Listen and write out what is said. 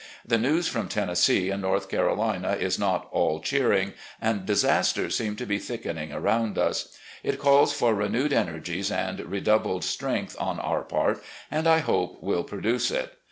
... The news from Tennessee and North Carolina is not all cheering, and disasters seem to be thickening arotmd us. It calls for renewed energies and redoubled strength on our part, and, I hope, will produce it.